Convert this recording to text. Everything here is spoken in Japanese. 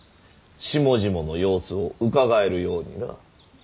下々の様子をうかがえるようにな。